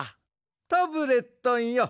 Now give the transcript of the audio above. タブレットンよ